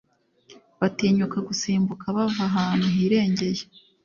batinyuka gusimbuka bava ahantu hirengeye